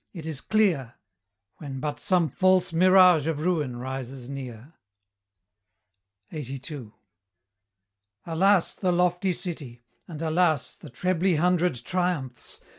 it is clear When but some false mirage of ruin rises near. LXXXII. Alas, the lofty city! and alas The trebly hundred triumphs!